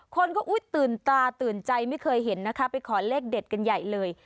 คนก็ตื่นตาตื่นใจไม่เคยเห็นนะคะไปขอเลขเด็ดกันใหญ่เลย